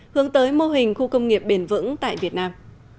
hướng tới mô hình khu công nghiệp bền vững tại việt nam